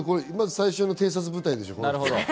最初の偵察部隊でしょ。